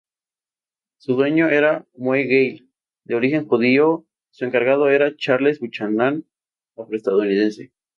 Su dueño era Moe Gale, de origen judío, su encargado era Charles Buchanan, Afro-Estadounidense.